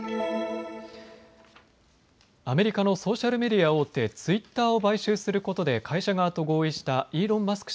アメリカのソーシャルメディア大手、ツイッターを買収することで会社側と合意したイーロン・マスク